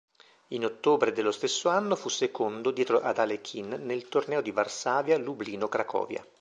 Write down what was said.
In ottobre dello stesso anno fu secondo dietro ad Alechin nel torneo di Varsavia-Lublino-Cracovia.